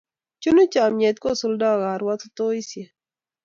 Chunu chomyet, kosuldoi karwatutoisiek